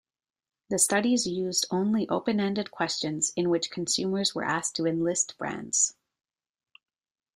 The studies used only open-ended questions in which consumers were asked to enlist brands.